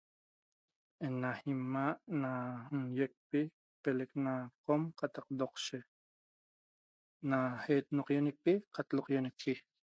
ena ima a' ena ýicpi pelec ena qom qatac docshe na hegatai laquiacnecpi